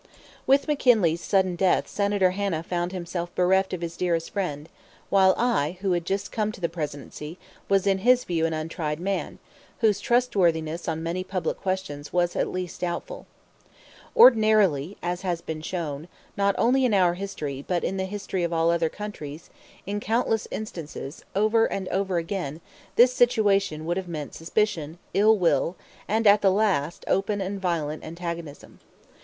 With McKinley's sudden death Senator Hanna found himself bereft of his dearest friend, while I, who had just come to the Presidency, was in his view an untried man, whose trustworthiness on many public questions was at least doubtful. Ordinarily, as has been shown, not only in our history, but in the history of all other countries, in countless instances, over and over again, this situation would have meant suspicion, ill will, and, at the last, open and violent antagonism.